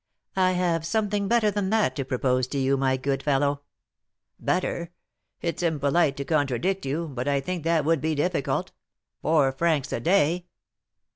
"I have something better than that to propose to you, my good fellow." "Better! It's unpolite to contradict you, but I think that would be difficult. Four francs a day!"